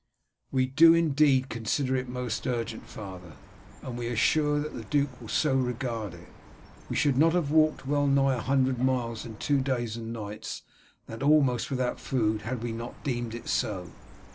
"We do indeed consider it most urgent, father, and we are sure that the duke will so regard it. We should not have walked well nigh a hundred miles in two days and nights, and that almost without food, had we not deemed it so."